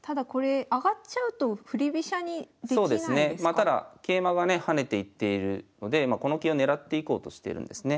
まあただ桂馬がね跳ねていっているのでこの桂を狙っていこうとしてるんですね。